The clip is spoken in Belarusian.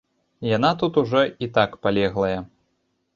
Яна тут ужо і так палеглая.